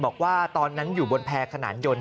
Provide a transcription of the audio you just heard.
บอกว่าตอนนั้นอยู่บนแพร่ขนานยนต